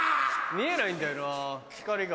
見えないんだよな光が。